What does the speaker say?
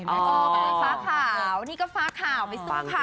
อ๋อฟ้าขาวนี่ก็ฟ้าขาวไม่ซึ้งขาว